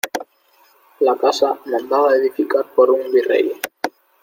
la casa, mandada edificar por un virrey